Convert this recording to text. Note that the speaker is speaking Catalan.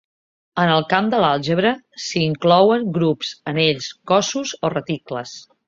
En el camp de l'àlgebra, s'hi inclouen grups, anells, cossos o reticles.